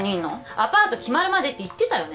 アパート決まるまでって言ってたよね